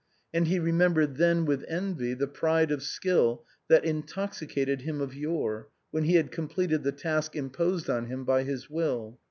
And he remembered then with envy the pride of skill that intoxi cated him of yore when he had completed the task im posed on him by his will.